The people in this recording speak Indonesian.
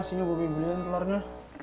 sini bobi beliin telurnya